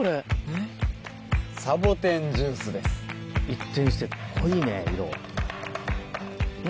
一転して濃いね色。